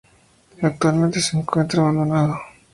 Actualmente se encuentra abandonado.